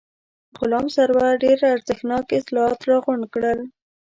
غلام سرور ډېر ارزښتناک اطلاعات راغونډ کړل.